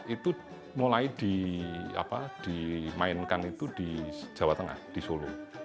itu mulai dimainkan itu di jawa tengah di solo